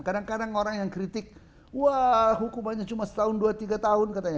kadang kadang orang yang kritik wah hukumannya cuma setahun dua tiga tahun katanya